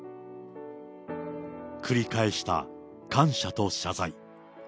繰り返した感謝と謝罪。